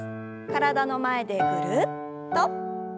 体の前でぐるっと。